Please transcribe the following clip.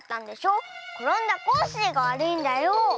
ころんだコッシーがわるいんだよ。